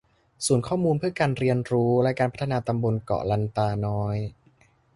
ศูนย์ข้อมูลเพื่อการเรียนรู้และการพัฒนาตำบลเกาะลันตาน้อย